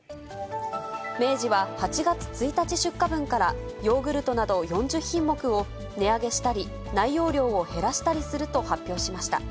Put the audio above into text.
明治は８月１日出荷分から、ヨーグルトなど４０品目を値上げしたり、内容量を減らしたりすると発表しました。